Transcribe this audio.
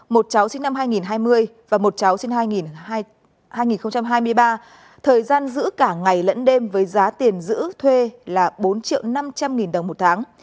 một cháu sinh năm hai nghìn hai mươi và một cháu sinh năm hai nghìn hai mươi ba thời gian giữ cả ngày lẫn đêm với giá tiền giữ thuê là bốn triệu năm trăm linh nghìn đồng một tháng